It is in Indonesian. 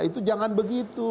itu jangan begitu